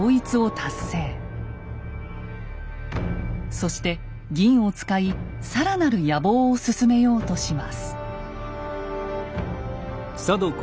そして銀を使いさらなる野望を進めようとします。